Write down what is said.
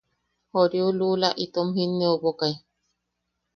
Joriu luula itom jinneʼubokai.